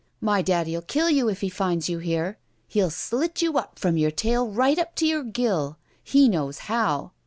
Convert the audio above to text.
"My daddy '11 kill you if he finds you here. Hell slit you up from your tail right up to your gill. He knows how.